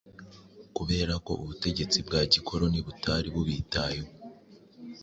kubera ko ubutegetsi bwa gikoloni butari bubitayeho.